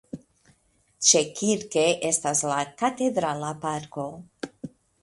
Ĉekirke estas la Katedrala parko.